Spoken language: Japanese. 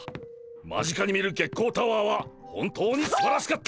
間近に見る月光タワーは本当にすばらしかった！